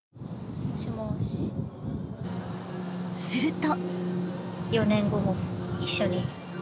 ［すると］